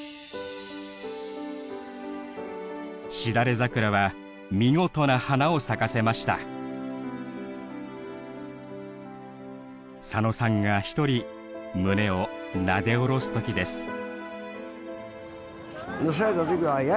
しだれ桜は見事な花を咲かせました佐野さんが一人胸をなで下ろすときです